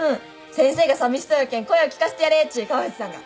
先生がさみしそうやけん声を聞かせてやれっち川藤さんが。